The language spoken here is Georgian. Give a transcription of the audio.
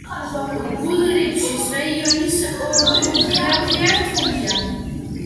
გულრიფშის რაიონის ოროგრაფია რთულია.